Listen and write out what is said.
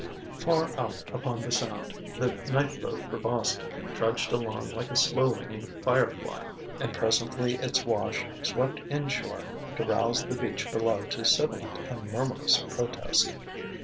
Far out upon the Sound the night boat for Boston trudged along like a slow winging firefly; and presently its wash swept inshore to rouse the beach below to sibilant and murmurous protest.